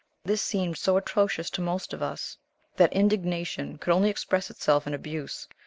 This seemed so atrocious to most of us that indignation could only express itself in abuse.